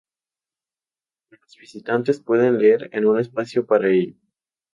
Pero los visitantes pueden leer en un espacio para ello.